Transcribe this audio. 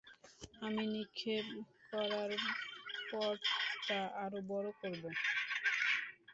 আমি নিক্ষেপ করার পডটা আরো বড় করব।